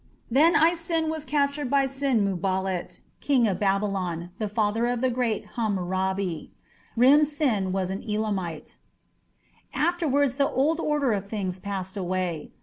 Then Isin was captured by Sin muballit, King of Babylon, the father of the great Hammurabi. Rim Sin was an Elamite. Afterwards the old order of things passed away.